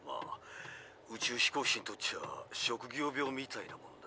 宇宙飛行士にとっちゃ職業病みたいなもんだ。